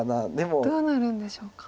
どうなるんでしょうか。